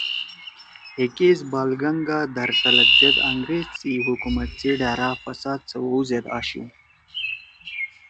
ہے کیس بال گنگا دھرتلک زید أنگریز سی حکومت سی ڈھأرا فساد سوَؤ زید آشُو